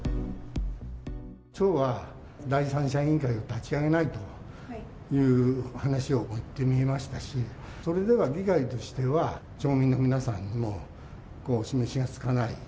町は第三者委員会を立ち上げないという話を言ってみえましたし、それでは議会としては、町民の皆さんにも示しがつかない。